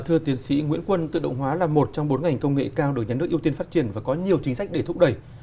thưa tiến sĩ nguyễn quân tự động hóa là một trong bốn ngành công nghệ cao được nhà nước ưu tiên phát triển và có nhiều chính sách để thúc đẩy